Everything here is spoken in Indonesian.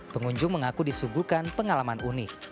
pengunjung mengaku disuguhkan pengalaman unik